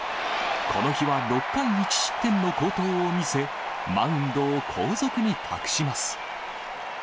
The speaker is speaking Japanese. この日は６回１失点の好投を見せ、マウンドを後続に託します。